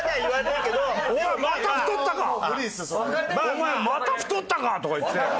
「お前また太ったか」とか言って。